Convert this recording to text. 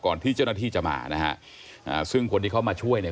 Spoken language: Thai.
ที่เจ้าหน้าที่จะมานะฮะอ่าซึ่งคนที่เข้ามาช่วยเนี่ย